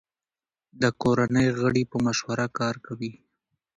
د کورنۍ غړي په مشوره کار کوي.